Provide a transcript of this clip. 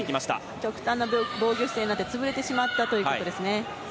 極端な防御姿勢になって潰れてしまったんですね。